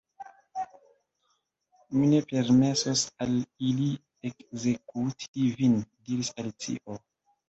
"Mi ne permesos al ili ekzekuti vin," diris Alicio.